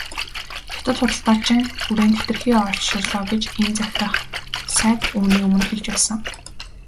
Хятад худалдаачин хүрээнд хэтэрхий олширлоо гэж энэ захирах сайд үүний өмнө хэлж байсан.